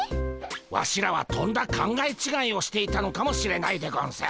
ワシらはとんだ考え違いをしていたのかもしれないでゴンス。